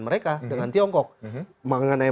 mereka dengan tiongkok mengenai